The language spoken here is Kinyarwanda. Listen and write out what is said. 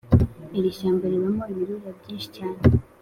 Irishyamba ribamo ibirura byinshi cyane